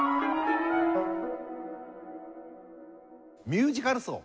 ミュージカルソー。